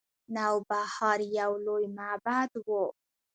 نوبهار یو لوی معبد و